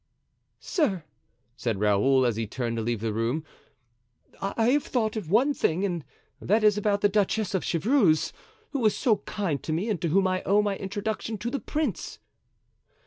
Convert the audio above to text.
"Sir," said Raoul, as he turned to leave the room, "I have thought of one thing, and that is about the Duchess of Chevreuse, who was so kind to me and to whom I owe my introduction to the prince."